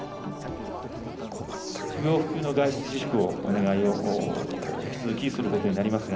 不要不急の外出自粛をお願いを引き続きすることになりますが、